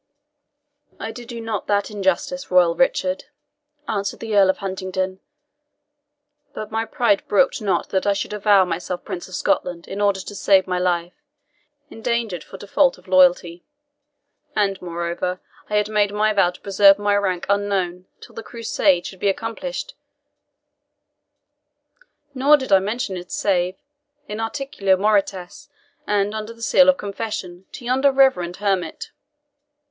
"I did you not that injustice, royal Richard," answered the Earl of Huntingdon; "but my pride brooked not that I should avow myself Prince of Scotland in order to save my life, endangered for default of loyalty. And, moreover, I had made my vow to preserve my rank unknown till the Crusade should be accomplished; nor did I mention it save IN ARTICULO MORTIS, and under the seal of confession, to yonder reverend hermit."